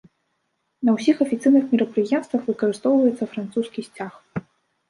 На ўсіх афіцыйных мерапрыемствах выкарыстоўваецца французскі сцяг.